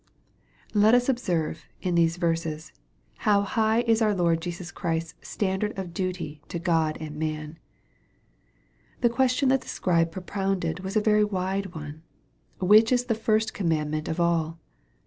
Let us observe, iu these verses, how high is our Lord Jesus Christ s standard of duty to God and man. The question that the Scribe propounded was a very wide one :" Which is the first commandment of all